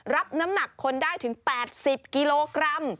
รับน้ำหนักคนได้ถึง๘๐กิโลกรัม